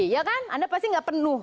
iya kan anda pasti nggak penuh